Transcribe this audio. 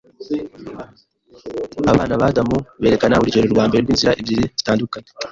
Abana ba Adamu berekana urugero rwa mbere rw’inzira ebyiri zitandukanye